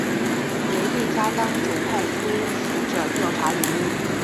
雷沛家当主派出使者调查原因。